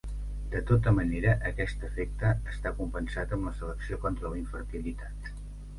De tota manera, aquest efecte està compensat amb la selecció contra la infertilitat.